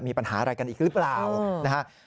มีปัญหาอะไรกันอีกหรือเปล่า